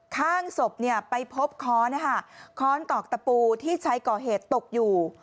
ข้างศพไปพบค้อนค้อนตอกตะปูที่ใช้ก่อเหตุตกอยู่